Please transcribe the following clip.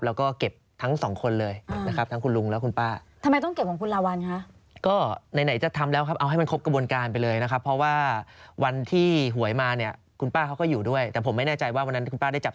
แล้วก็เก็บทั้งสองคนเลยนะครับทั้งคุณลุงแล้วคุณป้า